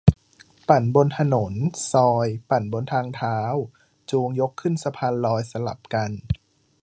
ปั่นบนถนน ซอย ปั่นบนทางเท้า จูง ยกขึ้นสะพานลอย สลับกัน